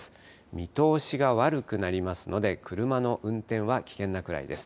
見通しが悪くなりますので、車の運転は危険なくらいです。